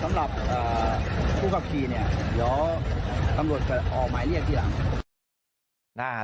สำหรับผู้ขับขี่เนี่ยเดี๋ยวตำรวจจะออกหมายเรียกทีหลัง